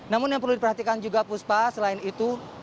namun yang perlu diperhatikan juga puspa selain itu